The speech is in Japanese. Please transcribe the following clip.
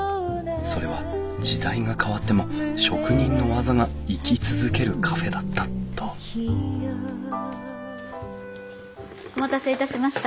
それは時代が変わっても職人の技が生き続けるカフェだったとお待たせいたしました。